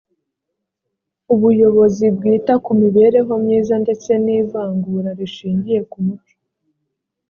ubuyobozi bwita ku mibereho myiza ndetse n’ ivangura rishingiye ku muco.